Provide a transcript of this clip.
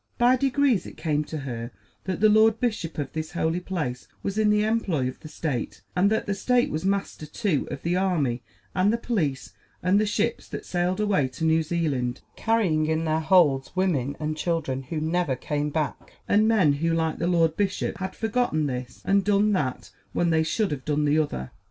By degrees it came to her that the lord bishop of this holy place was in the employ of the State, and that the State was master too of the army and the police and the ships that sailed away to New Zealand, carrying in their holds women and children, who never came back, and men who, like the lord bishop, had forgotten this and done that when they should have done the other.